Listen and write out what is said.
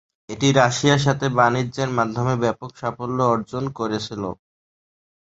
এটি রাশিয়ার সাথে বাণিজ্যের মাধ্যমে ব্যাপক সাফল্য অর্জন করেছিল।